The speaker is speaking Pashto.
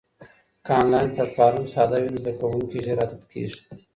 که انلاین پلیټفارم ساده وي، زده کوونکي ژر عادت کېږي.